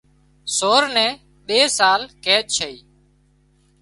سور نين ٻي سال قيد ڇئي